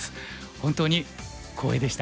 本当に光栄でした。